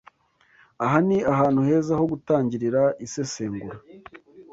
Aha ni ahantu heza ho gutangirira isesengura.